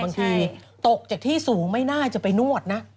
ตกจากที่สูงไม่น่าจะไปนวดนะ